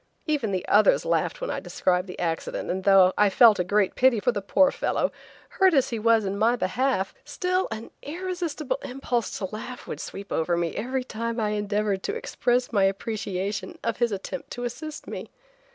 Even the others laughed when I described the accident, and, although I felt a great pity for the poor fellow, hurt as he was in my behalf, still an irresistible impulse to laugh would sweep over me every time I endeavored to express my appreciation of his attempt to assist me.